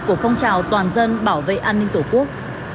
của phong trào toàn dân bảo vệ an ninh tổ quốc